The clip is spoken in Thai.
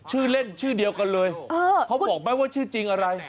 ชื่อเล่นชื่อเดียวกันเลยเขาบอกไหมว่าชื่อจริงอะไร